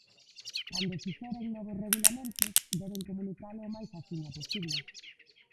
Cando fixeren novos regulamentos, deben comunicalo o máis axiña posible